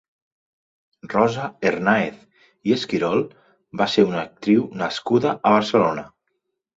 Rosa Hernáez i Esquirol va ser una actriu nascuda a Barcelona.